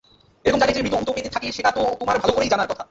এরকম জায়গায় যে মৃত্যু উত পেতে থাকে সেটা তো তোমার ভালো করেই জানার কথা!